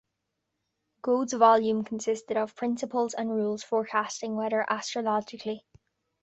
Goad's volume consisted of principles and rules forecasting weather astrologically.